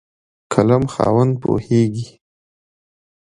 قلم خاوند پوهېږي.